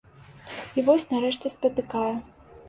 І вось нарэшце спатыкаю.